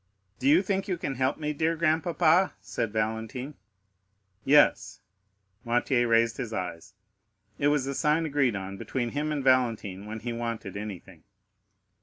"Do you think you can help me, dear grandpapa?" said Valentine. "Yes." Noirtier raised his eyes, it was the sign agreed on between him and Valentine when he wanted anything.